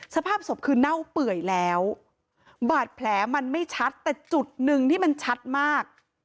สภาพศพคือเน่าเปื่อยแล้วบาดแผลมันไม่ชัดแต่จุดหนึ่งที่มันชัดมาก